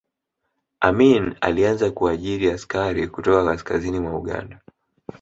amin alianza kuajiri askari kutoka kaskazini mwa uganda